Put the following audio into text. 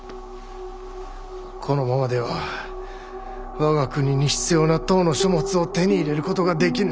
このままでは我が国に必要な唐の書物を手に入れることができぬ。